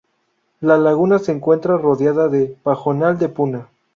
La laguna se encuentra rodeada de pajonal de puna.